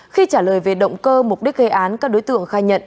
khi trả lời về động cơ mục đích gây án các đối tượng khai nhận